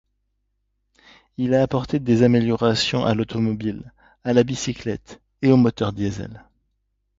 Il a apporté des améliorations à l'automobile, à la bicyclette et au moteur Diesel.